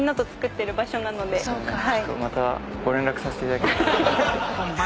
ちょっとまたご連絡させていただきます。